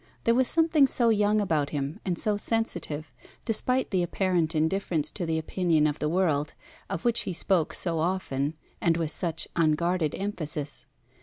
There was something so young about him, and so sensitive, despite the apparent indifference to the opinion of the world, of which he spoke so often, and with such unguarded emphasis.